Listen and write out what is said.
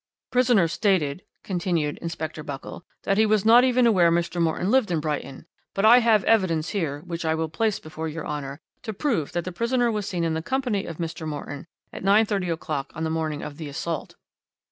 "'Prisoner stated,' continued Inspector Buckle, 'that he was not even aware Mr. Morton lived in Brighton, but I have evidence here, which I will place before your Honour, to prove that the prisoner was seen in the company of Mr. Morton at 9.30 o'clock on the morning of the assault.'